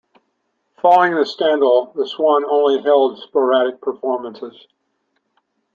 Following the scandal, the Swan only held sporadic performances.